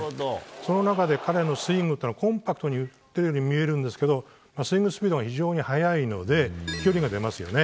その中で、彼のスイングはコンパクトに打っているように見えるんですけどスイングスピードが異常に速いので距離が出ますよね。